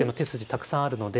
たくさんあるので。